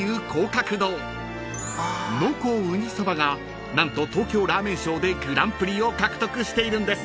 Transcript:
［濃厚雲丹そばが何と東京ラーメンショーでグランプリを獲得しているんです］